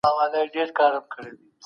بهرنۍ تګلاره بې له اصولو څخه نه ده.